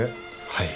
はい。